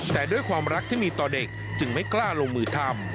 แต่ด้วยความรักที่มีต่อเด็กจึงไม่กล้าลงมือทำ